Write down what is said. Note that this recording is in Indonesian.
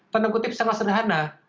tanda kutip sangat sederhana